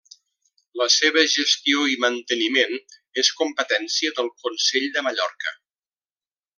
La seva gestió i manteniment és competència del Consell de Mallorca.